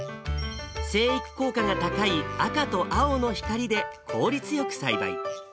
生育効果が高い赤と青の光で効率よく栽培。